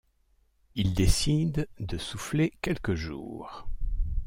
Il décide de souffler quelques jours.